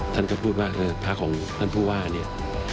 ท่านก็พูดว่าพระของท่านผู้ว่าเนี่ย